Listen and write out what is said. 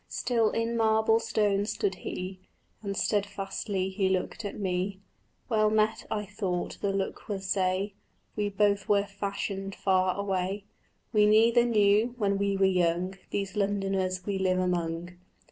Still in marble stone stood he, And stedfastly he looked at me. "Well met," I thought the look would say, "We both were fashioned far away; We neither knew, when we were young, These Londoners we live among."